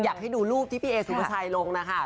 อยากดูรูปที่พี่เอสสุบัชชายลงนะคะ